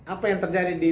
apa yang terjadi di